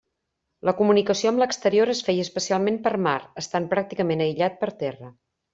La comunicació amb l'exterior es feia especialment per mar, estant pràcticament aïllat per terra.